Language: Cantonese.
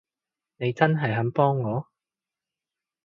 你真係肯幫我？